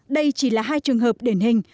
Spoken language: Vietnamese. đây chỉ là hai trường hợp điển hình